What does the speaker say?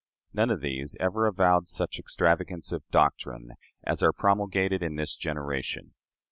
None of these ever avowed such extravagances of doctrine as are promulgated in this generation.